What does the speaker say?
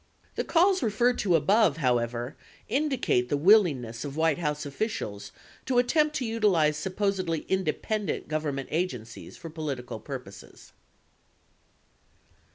The calls referred to above, however, indicate the willingness of White House officials to attempt to utilize supposedly independent Government agencies for political purposes.